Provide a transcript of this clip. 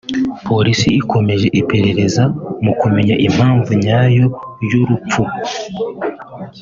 Polisi ikomeje iperereza mu kumenya impamvu nyayo y’uru rupfu